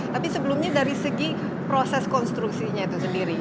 tapi sebelumnya dari segi proses konstruksinya itu sendiri